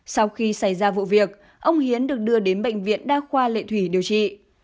sau khi xảy ra vụ việc ông hiến được đưa đến bệnh viện đa khoa lệ thủy điều trị